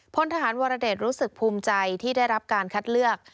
พลทหารวรเดชรู้สึกภูมิใจที่ได้รับการคัดเลือก